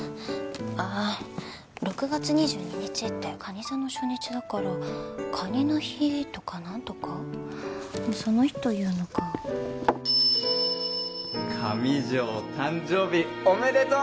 あぁ６月２２日ってかに座の初日だからかにの日とかなんとかその日というのが・上条誕生日おめでとう！